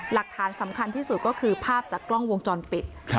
หลักฐานสำคัญที่สุดก็คือภาพจากกล้องวงจรปิด